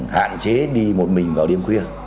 hạn chế đi một mình vào đêm khuya